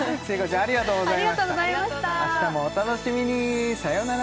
あしたもお楽しみにさよなら